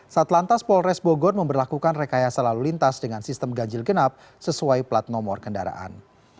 satlantas polres bogor memperlakukan rekayasa lalu lintas dengan sistem ganjil genap sesuai plat nomor kendaraan